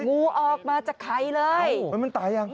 งูออกมาจากสายยางเลย